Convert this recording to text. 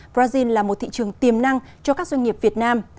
brazil là một thị trường tiềm năng cho các doanh nghiệp việt nam